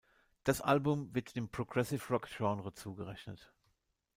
Das Album wird dem Progressive-Rock-Genre zugerechnet.